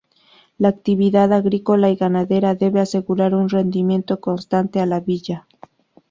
La actividad agrícola y ganadera debe asegurar un rendimiento constante a la villa.